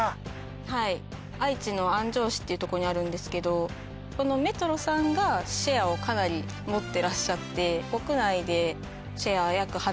はい愛知の安城市っていうとこにあるんですけどこのメトロさんがシェアをかなり持ってらっしゃってへえ